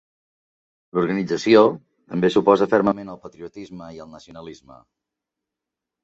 L'organització també s'oposa fermament al patriotisme i al nacionalisme.